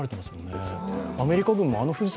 アメリカ軍もあの富士山